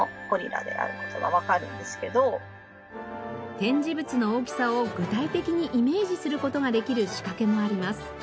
展示物の大きさを具体的にイメージする事ができる仕掛けもあります。